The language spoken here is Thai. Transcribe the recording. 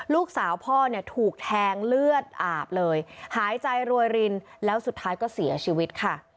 ลูกสาวพ่อเนี่ยถูกแทงเลือดอาบเลยหายใจรวยรินแล้วสุดท้ายก็เสียชีวิตค่ะ